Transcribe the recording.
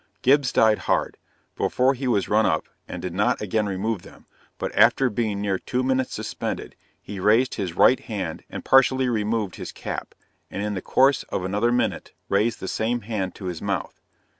Gibbs died hard; before he was run up, and did not again remove them, but after being near two minutes suspended, he raised his right hand and partially removed his cap, and in the course of another minute, raised the same hand to his mouth.